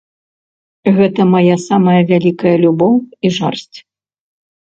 Гэта мая самая вялікая любоў і жарсць.